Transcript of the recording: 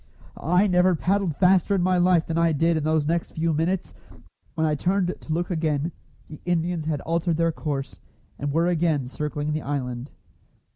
I never paddled faster in my life than I did in those next few minutes. When I turned to look again, the Indians had altered their course, and were again circling the island.